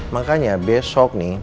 makanya besok nih